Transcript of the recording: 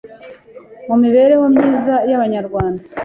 mu mibereho myiza y’Abanyarwanda